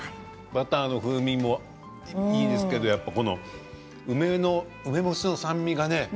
バターの風味もいいですけどこの梅の、梅干しの酸味がね